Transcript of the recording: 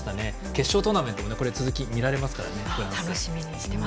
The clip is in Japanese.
決勝トーナメントでも続きが見られますからね。